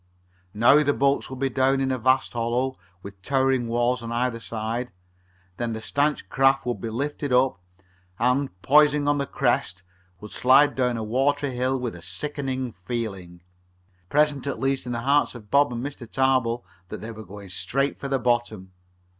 Now the boats would be down in a vast hollow, with towering walls on either side. Then the stanch craft would be lifted up and, poising on the crests, would slide down a watery hill with a sickening feeling, present at least in the hearts of Bob and Mr. Tarbill, that they were going straight for the bottom.